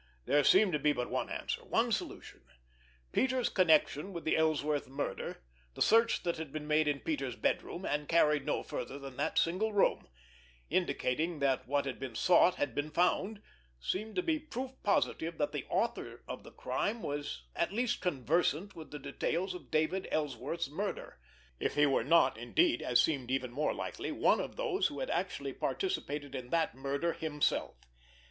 There seemed to be but one answer, one solution. Peters' connection with the Ellsworth murder, the search that had been made in Peters' bedroom, and carried no further than that single room, indicating that what had been sought had been found, seemed to be proof positive that the author of the crime was at least conversant with the details of David Ellsworth's murder, if he were not, indeed, as seemed even more likely, one of those who had actually participated in that murder himself.